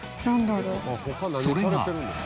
それが。